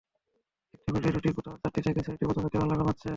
একটি খুঁটিতে দুটি, কোথাও চারটি থেকে ছয়টি পর্যন্ত ক্যামেরা লাগানো হচ্ছে।